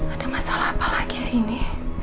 ada masalah apa lagi sih ini